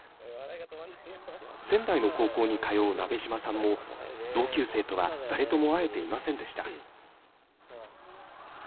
仙台の高校に通う鍋島さんも、同級生とは誰とも会えていませんでした。